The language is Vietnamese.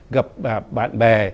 gặp bạn bè